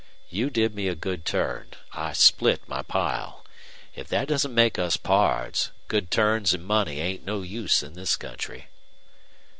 You did me a good turn. I split my pile. If thet doesn't make us pards, good turns an' money ain't no use in this country."